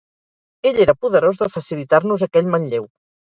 Ell era poderós de facilitar-nos aquell manlleu.